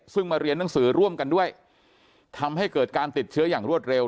ซึ่งมาเรียนหนังสือร่วมกันด้วยทำให้เกิดการติดเชื้ออย่างรวดเร็ว